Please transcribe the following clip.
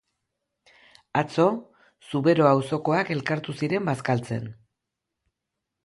Atzo Zubero auzokoak elkartu ziren bazkaltzen.